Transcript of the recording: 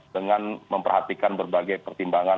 dengan memperhatikan berbagai pertimbangan